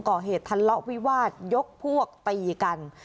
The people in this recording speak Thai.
ก่อเหตุทะเลาะวิวาสยกพวกตีกัน